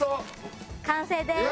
完成です。